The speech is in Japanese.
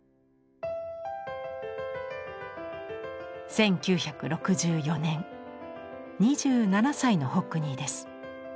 １９６４年２７歳のホックニーです。